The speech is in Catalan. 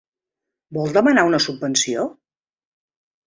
Vol demanar una subvenció?